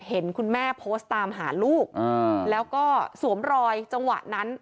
เห็นคุณแม่โพสต์ตามหาลูกแล้วก็สวมรอยจังหวะนั้น